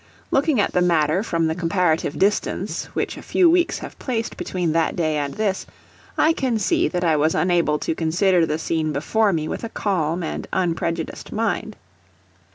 Looking at the matter from the comparative distance which a few weeks have placed between that day and this, I can see that I was unable to consider the scene before me with a calm and unprejudiced mind.